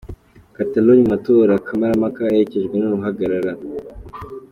Catalogne mu matora ya kamarampaka, aherekejwe n'uruhagarara.